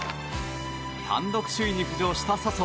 単独首位に浮上した笹生。